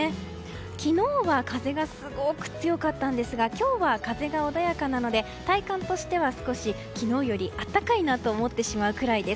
昨日は風がすごく強かったんですが今日は風が穏やかなので体感としては少し昨日より暖かいなと思ってしまうくらいです。